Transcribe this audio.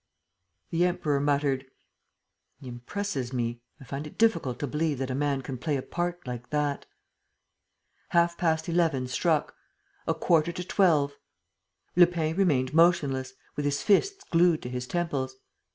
..." The Emperor muttered: "He impresses me. I find it difficult to believe that a man can play a part like that. ..." Half past eleven struck ... a quarter to twelve. ... Lupin remained motionless, with his fists glued to his temples.